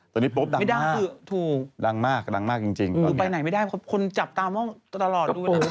ตอนนี้โป๊ปดังมากดังมากจริงตอนนี้ดูไปไหนไม่ได้เพราะคนจับตามตลอดดู